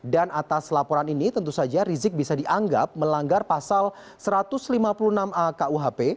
dan atas laporan ini tentu saja rizik bisa dianggap melanggar pasal satu ratus lima puluh enam a kuhp